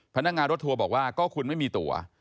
พนักงานรถทัวร์บอกว่าก็คุณไม่มีตัว